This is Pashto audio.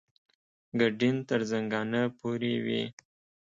ګډین تر زنګانه پورې وي.